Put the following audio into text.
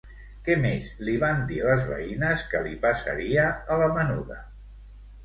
Què més li van dir les veïnes que li passaria, a la menuda?